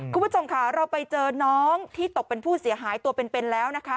คุณผู้ชมค่ะเราไปเจอน้องที่ตกเป็นผู้เสียหายตัวเป็นแล้วนะคะ